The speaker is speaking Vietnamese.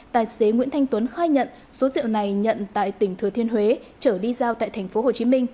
tài xế nguyễn thanh tuấn khai nhận số rượu này nhận tại tỉnh thừa thiên huế chở đi giao tại tp hcm